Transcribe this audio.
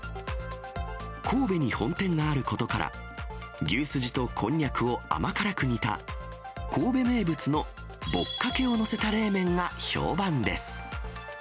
神戸に本店があることから、牛すじとこんにゃくを甘辛く煮た、神戸名物のぼっかけを載せた冷麺が評判です。